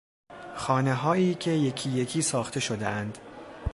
خانههایی که یکییکی ساخته شدهاند